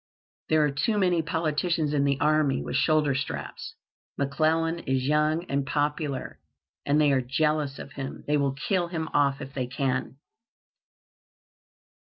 There are too many politicians in the army with shoulder straps. McClellan is young and popular, and they are jealous of him. They will kill him off if they can."